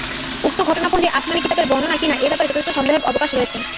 উক্ত ঘটনাপঞ্জি আসমানী কিতাবের বর্ণনা কি না এ ব্যাপারে যথাযথ সন্দেহের অবকাশ রয়েছে।